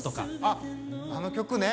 あっあの曲ね！